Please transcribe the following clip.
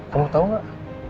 kamu tau gak